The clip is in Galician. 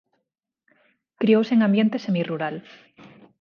Criouse en ambiente semirrural